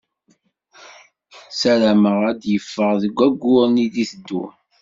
Ssarameɣ ad d-yeffeɣ deg wayyuren i d-iteddun.